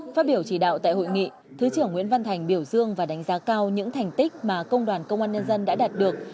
phát biểu chỉ đạo tại hội nghị thứ trưởng nguyễn văn thành biểu dương và đánh giá cao những thành tích mà công đoàn công an nhân dân đã đạt được